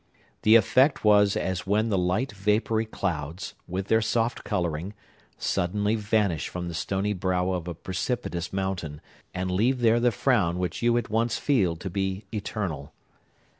The effect was as when the light, vapory clouds, with their soft coloring, suddenly vanish from the stony brow of a precipitous mountain, and leave there the frown which you at once feel to be eternal.